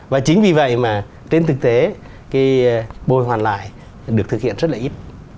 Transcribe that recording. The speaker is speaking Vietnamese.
và chính vì vậy mà trên thực tế cái bồi hoàn lại được thực hiện rất là ít